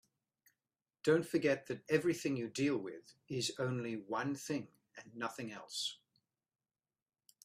Don't forget that everything you deal with is only one thing and nothing else.